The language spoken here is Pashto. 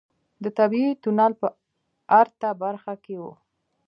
د طبيعي تونل په ارته برخه کې و.